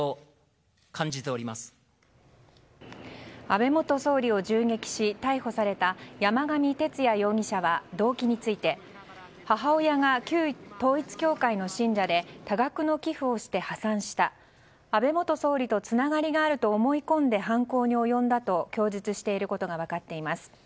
安倍元総理を銃撃し逮捕された山上徹也容疑者は動機について母親が旧統一教会の信者で多額の寄付をして破産した安倍元総理とつながりがあると思い込んで犯行に及んだと供述していることが分かっています。